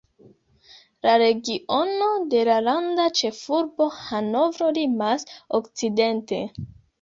La regiono de la landa ĉefurbo Hanovro limas okcidente.